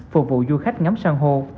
phục vụ du khách ngắm sân hồ